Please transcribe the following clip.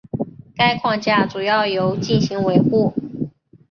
该框架主要由进行维护。